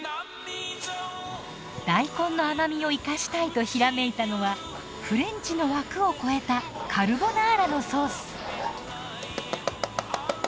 大根の甘みを生かしたいとひらめいたのはフレンチの枠を超えたカルボナーラのソース。